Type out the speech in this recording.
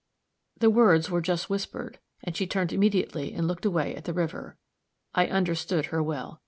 The words were just whispered, and she turned immediately and looked away at the river. I understood her well.